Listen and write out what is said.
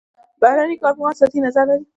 بهرني کارپوهان سطحي نظر لري.